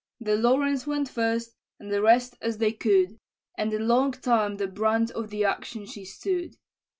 The Lawrence went first, and the rest as they could, And a long time the brunt of the action she stood.